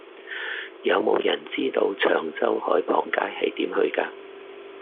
有無人知道長洲海傍街係點去㗎